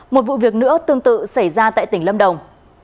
một vụ việc nữa tương tự xảy ra tại tỉnh lâm đồng